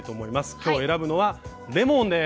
今日選ぶのはレモンです。